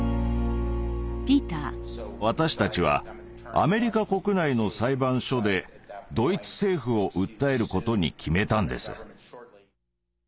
私たちはアメリカ国内の裁判所でドイツ政府を訴えることに決めたんです。